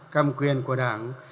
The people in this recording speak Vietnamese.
cầm quyền của đảng